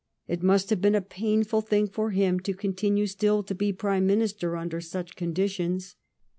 It must have been a painful thing for him to continue still to be Prime Minister under such conditions.